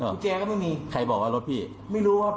คุณแจนก็ไม่มี